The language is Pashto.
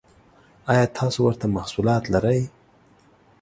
ایا تاسو ورته محصولات لرئ؟